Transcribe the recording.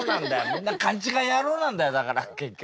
みんなかんちがい野郎なんだよだから結局。